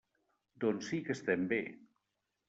Doncs sí que estem bé!